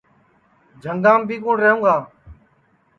جھُنٚگام بھی کُوٹؔ رہوگا